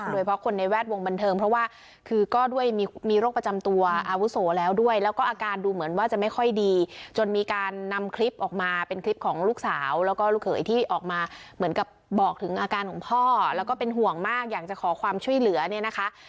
โดยเพราะคนในแวดวงบันเทิงเพราะว่าคือก็ด้วยมีโรคประจำตัวอาวุโสแล้วด้วยแล้วก็อาการดูเหมือนว่าจะไม่ค่อยดีจนมีการนำคลิปออกมาเป็นคลิปของลูกสาวแล้วก็ลูกเขยที่ออกมาเหมือนกับบอกถึงอาการของพ่อแล้วก็เป็นห่วงมากอยากจะขอความช่วยเหลือเนี่ยนะคะ